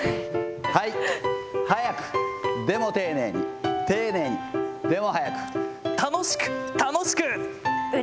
はい、速く、でも丁寧に、丁寧に、楽しく、楽しく。